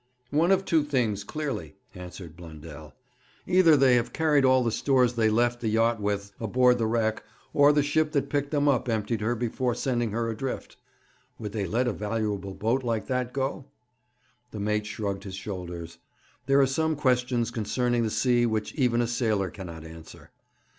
'One of two things, clearly,' answered Blundell. 'Either they have carried all the stores they left the yacht with aboard the wreck, or the ship that picked them up emptied her before sending her adrift.' 'Would they let a valuable boat like that go?' The mate shrugged his shoulders. There are some questions concerning the sea which even a sailor cannot answer.